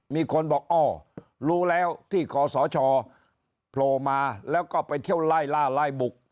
มีคนบอกอ้อรู้แล้วที่ขอสชโผล่มาแล้วก็ไปเที่ยวไล่ล่าไล่บุก